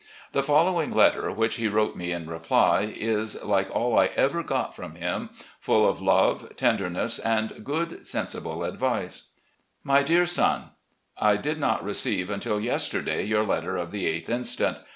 The following letter, which he wrote me in reply, is, like all I ever got from him, full of love, tenderness, and good, sensible advice :" My Dear Son: I did not receive until yesterday your letter of the 8th inst.